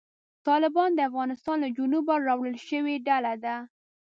طالبان د افغانستان له جنوبه راولاړه شوې ډله ده.